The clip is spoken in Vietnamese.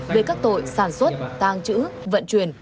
về các tội sản xuất tàng chữ vận chuyển